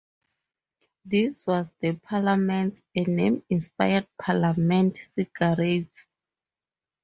This was The Parliaments, a name inspired by Parliament cigarettes.